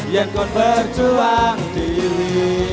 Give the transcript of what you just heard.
yon kowe berjuang diwi